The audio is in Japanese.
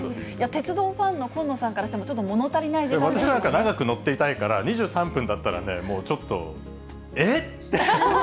鉄道ファンの近野さんからしても、私なんか長く乗ってたいから、２３分だったら、もう、ちょっと、えって。